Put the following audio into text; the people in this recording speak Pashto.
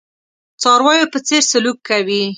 څارویو په څېر سلوک کوي.